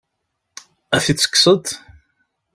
Ad t-id-tekkseḍ?